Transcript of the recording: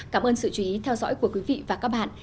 cảm ơn sự chú ý theo dõi của quý vị và các bạn